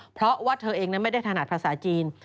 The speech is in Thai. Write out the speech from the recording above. เพราะว่าเธอเองนั้นไม่ได้ถนัดภาษาจีน